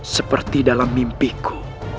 seperti dalam mimpiku